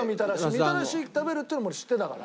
みたらし食べるっていうのも知ってたから。